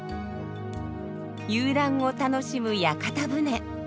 遊覧を楽しむ屋形船。